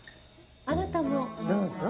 あなたもどうぞ。